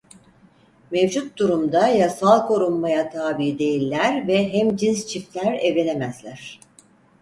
Mevcut durumda yasal korunmaya tabi değiller ve hemcins çiftler evlenemezler.